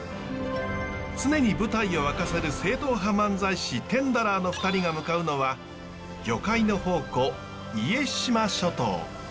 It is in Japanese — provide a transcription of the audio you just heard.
常に舞台を沸かせる正統派漫才師テンダラーの２人が向かうのは魚介の宝庫家島諸島。